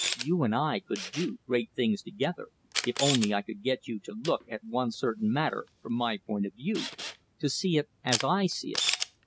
"You and I could do great things together, if only I could get you to look at one certain matter from my point of view; to see it as I see it."